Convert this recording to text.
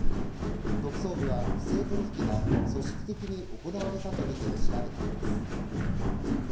特捜部は不正取引が組織的に行われたとみて調べています。